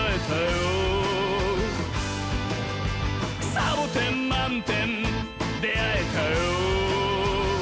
「サボテンまんてんであえたよ」